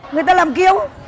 người ta làm kiêu